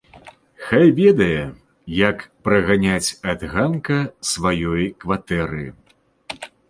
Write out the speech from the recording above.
Хай ведае, як праганяць ад ганка сваёй кватэры!